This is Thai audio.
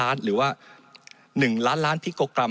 มันตรวจหาได้ระยะไกลตั้ง๗๐๐เมตรครับ